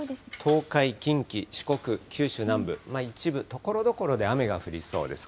東海、近畿、四国、九州南部、一部、ところどころで雨が降りそうです。